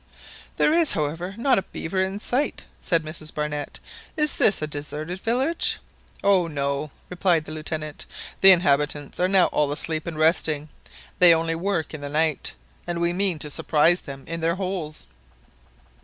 "There is, however, not a beaver in sight," said Mrs Barnett; "is this a deserted village?" "Oh no," replied the Lieutenant, "the inhabitants are now all asleep and resting; they only work in the night, and we mean to surprise them in their holes."